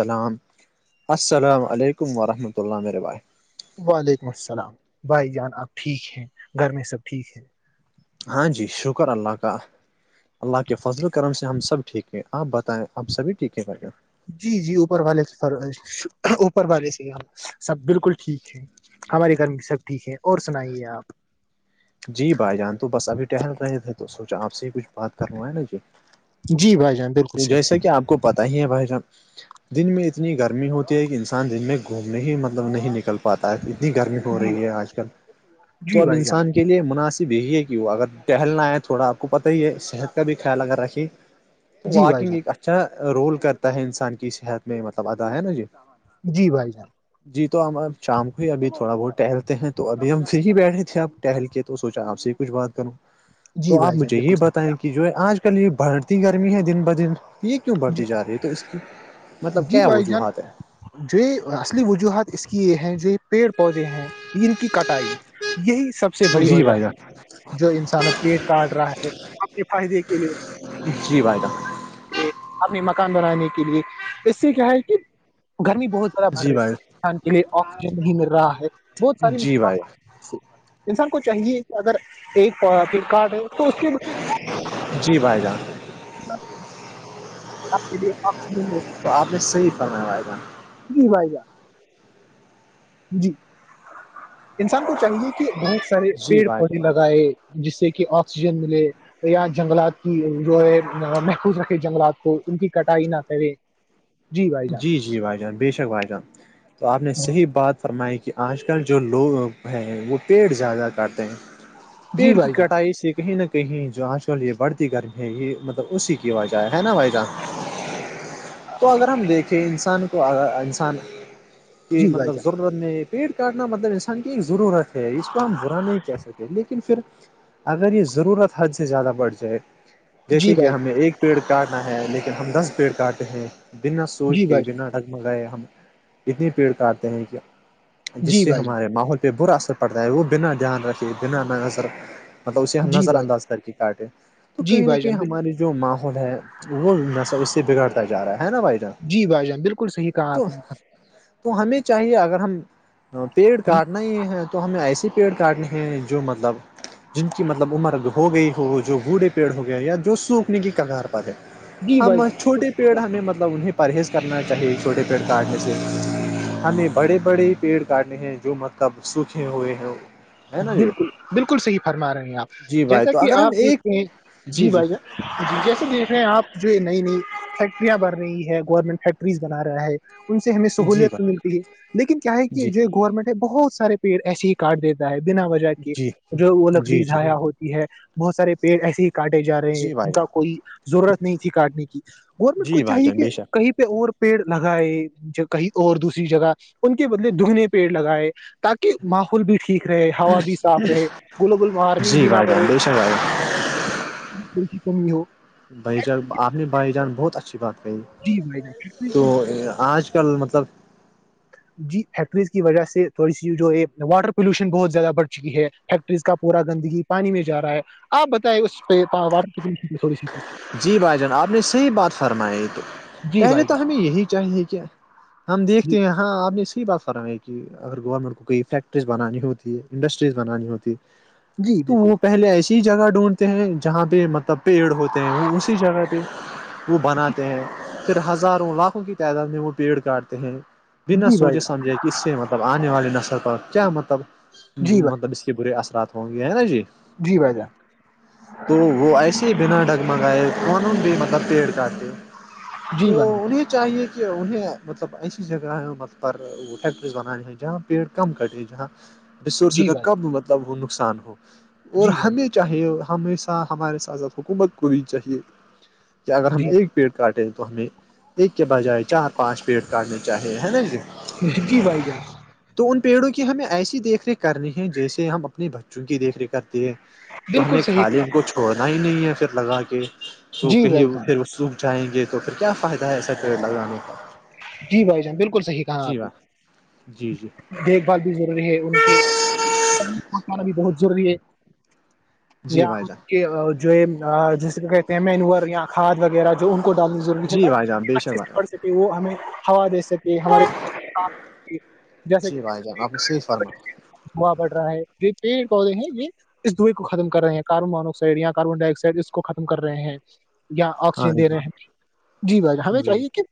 سلام السلام علیکم ورحمۃ اللہ ورب وعلیکم السلام بھائی جان آپ ٹھیک ہیں گھر میں سب ٹھیک ہیں ہاں جی شکر اللہ کا اللہ کے فضل و کرم سے ہم سب ٹھیک ہیں آپ بتائیں آپ سبھی ٹھیک ہے بھائی جان جی جی اوپر والے سے فر اوپر والے سے سب بالکل ٹھیک ہے ہمارے گھر میں سب ٹھیک ہے اور سنائیے آپ جی بھائی جان تو بس ابھی ٹہل رہے تھے تو سوچا آپ سے ہی کچھ بات کرو ہے نا جی جی بھائی جان بالکل تو صحیح جیسا کہ آپ کو پتا ہی ہے بھائی صاحب دن میں اتنی گرمی ہوتی ہے کہ انسان دن میں گھومنے ہی مطلب نہیں نکل پاتا ہے اتنی گرمی ہو جی رہی ہے آج کل تو جی اب بھائی جان انسان کے لیے مناسب ہی ہے کہ اگر ٹہلنا آئے تھوڑا آپ کو پتہ ہی ہے صحت کا بھی خیال اگر رکھیں [inaudible] جی بھائی واکنگ جان ایک اچھا رول کرتا ہے انسان کی صحت میں مطلب ادا ہے نا جی جی بھائی جان جی تو ہم اب شام کو ہی ابھی تھوڑا بہت ٹہلتے ہیں تو ابھی ہم پھر ہی بیٹھے تھے اپ ٹہل کے تو سوچا آپ سے ہی کچھ بات کروں جی تو آپ بھائی جان مجھے بالکل یہ صحیح بتائیں کہا کہ کہ جو ہے آج کل یہ بڑھتی گرمی ہے دن ب دن یہ کیوں آپ جی بڑھتی جا رہی ہے تو اس کی مطلب جی کیا بھائی جان وجوہات ہے جو اصلی وجوہات اس کی یہ ہے جو پیڑ پودے ہیں ان کی کٹائی یہی سب سے ہے بڑی جی وجہ بھائی ہے جان جو انسانوں پلیٹ کاٹ رہا ہے اپنے فائدے کے لیے جی بائیٹہ اپنے مکان بنانے کے لیے اس سے کیا ہے کہ گرمی بہت بڑ جی رہی بھائی انسان کے لیے آکسیجن نہیں مل رہا ہے بہت ساری جی بھائی مشکلات انسان کو چاہی ہے کہ اگر ایک کارٹ ہے تو اس کے جی بھائی جان آپ کے آس تو آپ نے صحیح فرما وائے گا جی بھائی جان جی انسان کو چاہیے کہ بہت سارے جی پیڑ بھائی پودے لگ گائے جس سے کہ آکسیجن ملے یا جنگلات کی جو ہے محفوظ رکھے جنگلات کو ان کی کٹائی نہ کرے بھائی جان جی جی بھائی جان بے شک بھائی جان تو آپ نے جی صحیح بات فرمائ کہ آج کل جو لوگ ہے وہ پیڑ زیادہ کاٹتے ہیں جی پیڑ کی بھائی جان کٹائی سے کہیں نہ کہیں جو آج کل یہ بڑھتی گرمی ہے یہ مطلب اسی کی وجہ ہے نا بھائی جان تو اگر ہم دیکھیں انسان کو اگر انسان کی جی بھائی مطلب جان ضرورت نہیں پیٹ کاٹنا مطلب انسان کی ایک ضرورت ہے اس کو ہم برا نہیں کہہ سکتے لیکن پھر اگر یہ ضرورت حد سے زیادہ بڑھ جائے جی جیسے کہ بھائی جان ہمیں ایک پیڑ کاٹنا ہے لیکن ہم دس پیڑ کاٹتے ہیں بنا سوچ جی کے بھائی جان بنا ڈگمگائے ہم اتنے پیڑ کاٹتے ہیں کہ جس جی سے بھائی جان ہمارے ماحول پہ برا اثر پڑتا ہے وہ بنا دھیان رکھے بنا ن نظر مطلب اسے ہم جی نظر بھائی انداز کر کے کاٹیں تو جی کہیں نہ بھائی کہیں جان بال- ہماری جو ماحول ہے وہب اس سے بگڑتا جا ہے نا بھائی جان جی بھائی جان بالکل صحیح کہا تو آپ نے تو ہمیں چاہیے اگر ہم پیڑ جی کاٹنا ہی ہے تو ہمیں ایسی پیڑ کاٹنے ہیں جو مطلب جن کی مطلب عمر ہو گئی ہو جو بوڑھے پیڑ ہو گئے یا جو سوکھنے کی کگار پر ہے جی ہم بھائی چھوٹے پیڑ ہمیں مطلب انہیں پرہیز کرنا چاہیے چھوٹے پیڑ کا آٹے سے ہمیں بڑے بڑے پیڑ کاٹے ہیں جو مطلب سوکھے ہوئے ہیں ہے نا یہ بالکل بالکل صحیح فرما رہے ہیں آپ جی بھائی جیسا تو کہ اگر ہم آپ ایک دیکھتے ہیں جی بھائی جان جی جیسے دیکھ رہے ہیں آپ جو نئی نئی فیکٹریاں بن رہی ہے گورنمنٹ فیکٹریز بنا رہا ہے ان سے ہمیں جی سہوولت تو بھائی ملتی ہے لیکن کیا ہے کہ جی جو گورنمنٹ ہے بہت سارے پیڑ ایسے ہی کارڈ دیتے ہے بنا وجہ کے جی جو وہ لکڑی جی جی ضایاع ہوتی ہے بہت سارے پیڑ ایسے ہی کاٹے جا رہے ہیں جی ان بھائی کا جان کوئی ضرورت نہیں تھی کاٹنے کی گورنمنٹ کو جی بھائی چاہیے جان کہ بے شک کہیں پ اور پیڑ لگائے کہیں اور دوسری جگہ ان کے بدلے دگنے پیڑ لگائے تاکہ ماحول بھی ٹھیک رہے ہوا بھی صاف رہے گلوبل وارمنگ جی بھی نہ وھائی بڑھے بائی بے شک بھائی گ کی کمی ہو بھائی جان آپ نے بھائی جان بہت اچھا بات کہی جی بھائی جان فیکٹریز تو کی آج کل مطلب جی فیکٹریز کی وجہ سے تھوڑی سی جو ہے واٹر پولوشن بہت زیادہ بڑھ چکی ہے کا پورا گندگی پانی میں جا رہا ہے آپ بتائیں اس پہ سی جی بھائی جان آپ نے صحیح بات فرمائی تو جی پہلے بھائی تو جان ہمیں یہی چاہیے کیا ہم جی دیکھتے ہیں ہاں آپ نے صحی بات کہ اگر گورنمنٹ کو کوئی فیکٹریز بنانی ہوتی ہے انڈسٹریز بنانی ہوتی جی تو بالکل وہ پہلے ایسی ہی جگہ ڈھونڈتے ہیں جہاں پہ پ مطلب پیڑ ہوتے ہیں وہ اسی جگہ پہ وہ بناتے ہیں پھر ہزاروں لاکھوں کی تعداد میں وہ پیڑ کاٹتے ہیں بنا جی بھائی سوچے جان سمجھے کہ اس سے مطلب آنے والے نسر پر کیا مطلب جی بھائی مطلب اس کے برے اثرات ہوں گے ہے نا جی جی بھائی جان تو وہ ایسے ہی بنا ڈگمگائے فنون بھی مطلب پیڑ کاتے جی تو بھائی جان ان چاہیے کہ انہیں مطلب ایسی جگہ ہے م پر وہ فیکٹریز بنانی ہیں جہاں پیڑ کم کٹے جہاں ریسورس جی کا بھائی کب مطلب ہو نقصان ہو اور جی بھائی ہمیں چاہیے ہم ہمارے ساتھات حکومت کو ہی چاہیے کہ اگر ہم جی ایک پیڑ کاٹے تو ہمیں ایک کے بجائے چار پانچ پیریٹ کاٹنے چاہے ہے نا جی جی بھائی جان تو ان پیڑوں کی ہمیں ایسی دیکھ ریکھ کرنی ہے جیسے ہم اپنے بچوں کی دیکھ ریکھ کرتے ہیں تو بالکل ہمیں صحیح خالی کہا ان آپ کو چھوڑنا ہی نہیں ہے پھر لگا کے نے۔ تو جی کہیں بھائی جان پھر جائیں گے تو پھر کیا فائد ہے ایسا ٹرین لگانے کا جی بھائی جان بالکل صحیح کہاں جی آپ کی بھائی جی جی دیکھ بھال بھی ضروری ہے ان کی پنانا بھی بہت ضروری ہے جی بھائی جان کہ جو جیسے کہ کہتے ہیں مینور یا کھاد وغیرہ جو ان کو ڈالنی ضروری ہے جی بھائی جان بے شکارہ کہ وہ ہمیں ہوا جیس یہ ہمارے جیسے کہ جی بھائی جان آپ نے صحیح فرمایا ہووا پڑ رہا ہے یہ پیڑ پودے ہیں یہ اس دوئی کو ختم کر رہے ہیں کاربن مانونوکسائڈ یا کاربن ڈائی آکسائڈ اس کو ختم کر رہے ہیں یا ہاں آکسیجن دے جی رہے ہیں جی بھائی ہمیں جی چاہیے کہ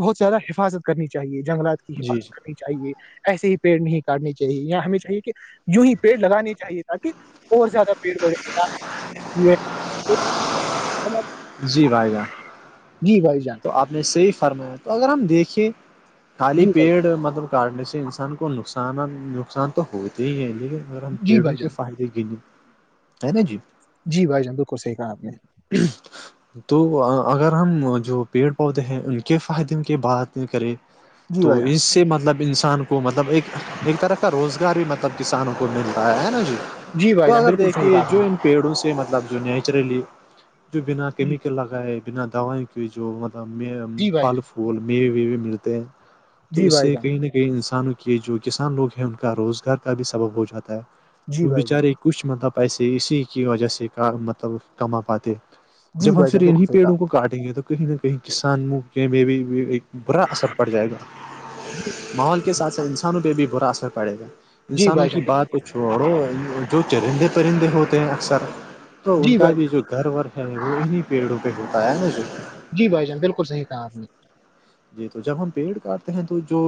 بہت زیادہ حفاظت کرنی چاہیے جنگلات کی جی حفاظت کرنی چاہیے ایسے ہی پیڑ نہیں کاٹنے چاہیے اں ہمیں چاہیے کہ ی ہی پیڑ لگانے چاہیے تاکہ اورہت زیادہ بھییڑ بجا یہ م جی بھائی جہ جی بھائی جان تو آپ نے سے ہی فرمایا تو اگر ہم دیکھیں جی خالی بھائی پیڑ مطلب کاٹنے سے انسان کو نقصانات نقصان تو ہوتے ہی ہیں لیکن اگر ہم جی پیڑوں بھائی کے جان فائدے گنے ہے نا جی جی بھائی جندو کو سیکھا آپ نے تو اگر ہم جو پیڑ پودے ہیں ان کے فائدے کی بات کریں جی تو بھائی جان اس سے مطلب انسان کو مطلب ایک ایک طرح کا روزگار بھی مطلب کسانوں کو ملتا ہے نا جی جی تو بھائی جان اگر بالکل صحیح دیکھیے کہا آپ جو نے پیڑوں سے مطلب جو نیچرلی جو بنا جی کیمیکل لگائے بنا دو کی جو مب جی بھائی پھل جان پھول میوے ویوے ملتے ہیں تو جی اس بھائی سے جان کہیں نہ کہ انسانوں کے جو کسان لوگ ہیں ان کا روزگار کا بھی سبب ہو جاتا ہے جی وہ بھائی جان بیچارے کچھ مطلب پیسے اسی کی وجہ سے کا مطلب کما پاتے جی جب ہم بھائی پھر جان بالکل انیں صحیح کہا پیڑوں کو کاٹیں گے تو کہیں نہ کہیں کسان م بھی برا اثر پڑ جائے گا ماحول کے ساتھ ساتھ انسانوں پہ بھی برا اثر پڑے گا جی انسانوں بھائی کی جان بات چھوڑو جو چرندے پرندے ہوتے ہیں اکثر تو ان جی کا بھائی بھی جان جو گھر وور ہے وہ انہیں پیڑوں پہ ہوتا ہے نا جو جی بھائی جان بالکل صح کہا آپ نے جی تو جب ہم پیڑ کاٹتے ہیں تو جو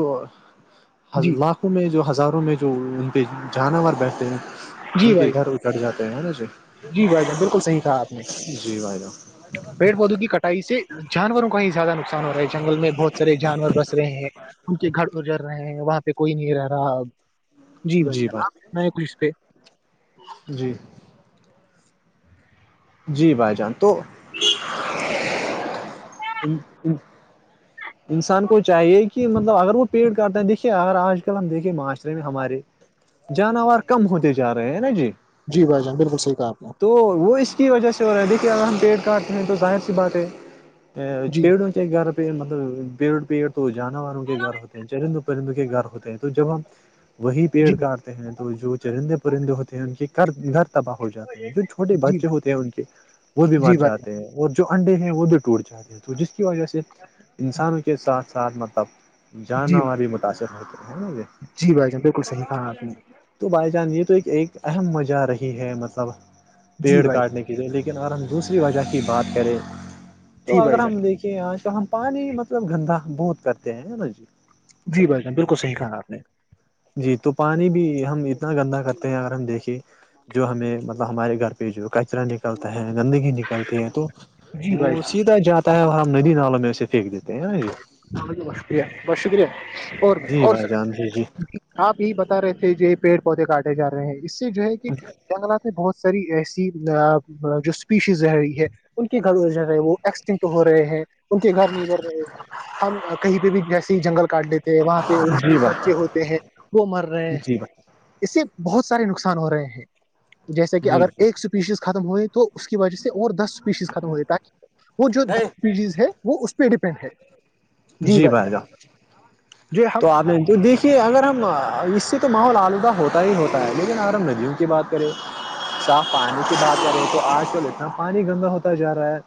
جی لاکھ وں میں جو ہزاروں میں جو ان پہ جانور بیٹھتے ہیں جی ان کے بھائی گھر ا چڑ جاتے ہیں نا جی بھائی جان بالکل صحیح کہا آپ نے جی بھائیدہؤ پیڑ پودوں کی کٹائی سے جانوروں کا ہی زیادہ نقصان ور جنگل میں بہت سارے جانور بس رہے ہیں ان کے گھر گزر رہے ہیں وہاں پہ کوئی نہیں رہ رہاب جی بھائی ج میں کچھ اس پہ جی جی بھائی جان تو انسان کو چاہیے کہ مطلب اگر وہ پیڑ کرتے ہیں دیکھیے اگر آج ہم دیکھے معاشرے میں ہمارے جانور کم ہوتے جا رہے ہیں نا جی جی بھائی جان بالکل صح کہ آپ نے تو وہ اس کی وجہ سے ہو رہا ہے دیکھیے اگر ہم پیڑ کاٹتے ہیں تو ظاہر سی بات ہے جی پیڑوں کی کے گھر پہ مطلب پیڑ پیڑ تو جانوروں کے گھر ہوتے ہیں چرند پرند کے گھر ہوتے ہیں تو جب ہم وہی جی پیڑ کا ہیں تو جو چرندے پرندے ہوتے ہیں ان کے گھر تباہ ہو جاتے ہیں جو چھوٹے جی بچے ہوتے ہیں ان کے وہ بھی مر جی بھائی جاتے ہیں اور جو انڈے ہیں وہ بھی ٹوٹ جاتے ہیں تو جس کی وجہ سے اچ انسانوں کے ساتھ ساتھ مطلب جی جانور بھائی بھی متاثر ہوتے ہیں نا یہ جی بھائی جان بالکل صحیح کہا آپ نے تو بائی چان یہ تو ایک ایک اہم مجہ رہی ہے مطلب جی پیڑ بھائی کاٹنے کی لیکن اگر ہم دوسری وجہ کی بات کریں تو جی اگر بھائی جان ہم دیکھیں آج کل ہم پانی مطلب گندا بہت کرتے ہیں نا جی جی بھائی جان بالکل صح کہا آپ نے جی تو پانی بھی ہم اتنا گندا کرتے ہیں اگر ہم دیکھے جو ہمیں مطلب ہمارے گھر پہ جو کچرا نکلتا ہے گندگی نکلتی ہے تو جی بھائی وہ جان سیدھا جاتا ہے اور ہم ندی نالوں میں اسے پھینک دیتے ہیں نا جی بہت شکریہ بہت شکریہ اور جی اور بھائی سر جان جی جی آپ یہی بتا رہے تھے کہ پیڑ پودے کاٹے جا رہے ہیں اس سے جو ہے کہ جنگل میں بہت ساری ایسی جو اسپیشیز رہ رہی ہے ان کے گھر جگہ وہ ایکسٹنٹ ہو رہے ہیں ان کے گھر نہیں بڑھ رہے ہم کہیں پہ بھی جیسی ہی جنگل کاٹ لیتے ہیں وہاں پہ ان جی کی بچے بھائی ہوتے ہیں وہ مر رہے ہیں جی اس سے بہت سارے نقصان ہو رہے ہیں جیسے کہ بھائی جی اگر ایک پیشز ختم ہوئے تو اس کی وجہ سے اور دس پیشز ختم ہوئے تاکہ وہ جو جی دسپیشز ہے وہ اس پہ ڈیپینڈ ہے جی بھائی جان جو ہم تو آپ تو دیک کہ اگر ہم اس سے تو ماحول آلودہ ہوتا ہی ہوتا ہے لیکن اگر ہم ندیوں کی بات کریں اص آپ پانی کی بات کر رہے تو آج کل اتنا پانی گندا ہوتا جا رہا ہے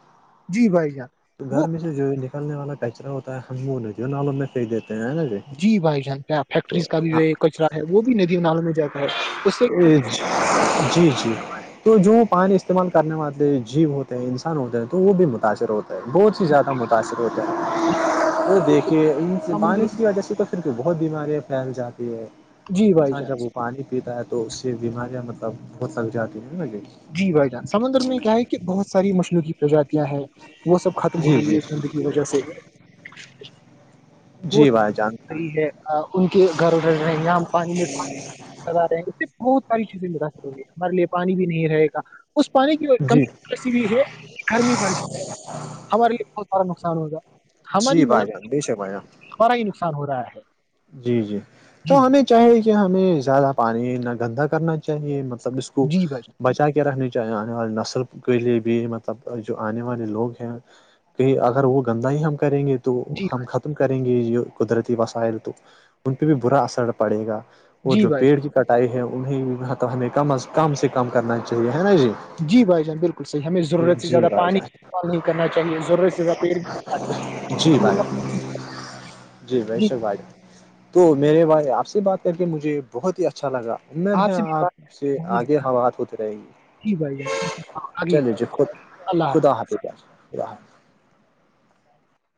جی بھائی جان تو وہ گھر میں جو نکلنے والا کچرا ہوتا ہے ہم وہ نہیں جو نالوں میں پنیک دیتے ہیں نا جی بھائی جان پ تو فیکٹریز کا بھی جو کچرا ہے وہ بھی ندی نال میں جاتا ہے اس سے اج جی جی تو جو پانی استعمال کرنے والے جیو ہوتے ہیں انسان ہوتے ہیں تو وہ بھی متاثر ہوتے ہیں بہت سی زیادہ متاثر ہوتے ہیں دیکھیے ان سے بانی سمندر وجہ سے تو پھر بہت بیماریاں پھیل جاتی ہے جی بھائی انسان جان جب پانی پیتا ہے تو اس سے بیماریاں مطلب بہت لگ جاتی ہیں بھے جی بھائی جان سمندر میں کیا ہے کہ بہت ساری مشنوقی پرجاتیاں ہیں وہ سب ختم ہو جی رہی جی ہے زندگی وجہ سے وہ جی بھائی جان ہے ان کے گھروں ڈل رہے ہیں یہ ہم پانی میں رہے ہیں اس سے بہت ساری چیزیں مراث ہوی مار لیے پانی بھی نہیں رہے گا اس پانی کی جی کمی بھی ہے گرمی بڑھ جائے ہمارے لیے بہت سارا نقصان ہوگا جی ہماری بھائی مطلب جان بیش ہے بھائی جان ہمارا ہی نقصان ہو رہا ہے جی جی تو جی ہمیں چاہے کہ ہمیں زیادہ پانی نہ گندا کرنا چاہیے مطلب اس کو جی بھائی بچا کے رکھنے چاہیے آنے والی نسل کے لیے بھی مطلب جو آنے والے لوگ ہیں کہ اگر وہ گندہ ہی ہم کریں گے تو جان جی ہم بھائی ختم کریں گے یہ قدرتی وسائل تو ان پہ بھی برا اثر پڑے گا اور جی جو بھائی پیڑ کی جان کٹائی ہے انہیں ہمیں کم کم سے کم کرنا چاہیے ہے نا جی جی بھائی جان بالکل صحیح ہمیں ضرورت سے جی زیادہ بھائی پانی جان استعمال نہیں کرنا چاہیے ضرورت سے زیادہ پیڑ جی بھائی جی بھائی شک بھائی تو میرے والے آپ سے بات کر کے مجھے بہت ہی اچھا لگا ا ہے سے بھی آپ بات سے بہت آگے زیادہ ہات ہوت رہے گی جی بھائیری اللہ حافظ کدا پ کیا ہے کداح